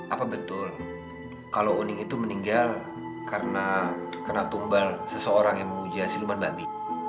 apa betul kalau uning itu meninggal karena kena tumbal seseorang yang menguji siluman babi